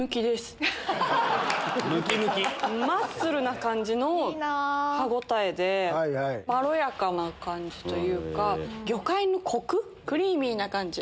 マッスルな感じの歯応えでまろやかな感じというか魚介のコククリーミーな感じ。